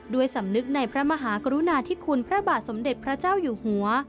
สำนึกในพระมหากรุณาธิคุณพระบาทสมเด็จพระเจ้าอยู่หัว